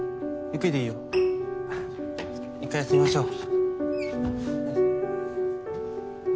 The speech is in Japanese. ・１回休みましょう。